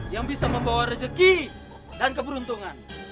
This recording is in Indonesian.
yang bisa membawa rezeki dan keberuntungan